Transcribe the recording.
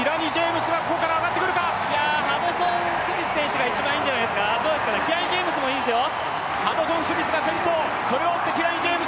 ハドソンスミスが一番いいんじゃないですか、キラニ・ジェームスもいいですよ。